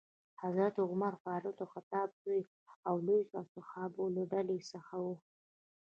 حضرت عمر فاروق د خطاب زوی او لویو اصحابو له ډلې څخه ؤ.